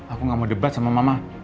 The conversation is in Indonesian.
aku gak mau debat sama mama